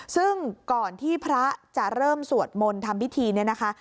ซึ่งก่อนที่พระจะเริ่มสวดมนต์ทำพิธีเนี่ยนะคะ